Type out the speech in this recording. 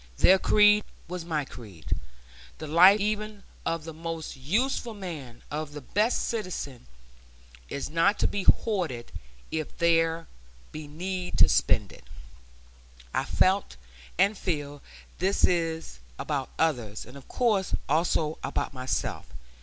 Their creed was my creed. The life even of the most useful man, of the best citizen, is not to be hoarded if there be need to spend it. I felt, and feel, this about others; and of course also about myself.